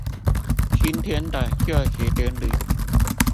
今天的就職典禮